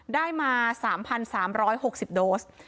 ได้มา๓๓๖๐โดส